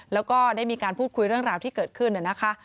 แล้วก็ได้มีการพูดคุยเรื่องราวที่เกิดขึ้นนะคะ